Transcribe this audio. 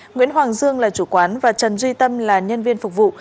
nguyễn hoàng dương là chủ quán và trần duy tâm là nhân viên phục vụ